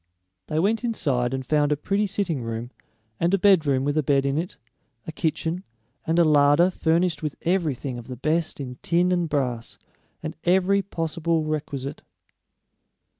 They went inside and found a pretty sitting room, and a bedroom with a bed in it, a kitchen, and a larder furnished with everything of the best in tin and brass, and every possible requisite.